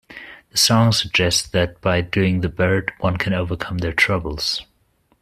The song suggests that by "doing the bird", one can overcome their troubles.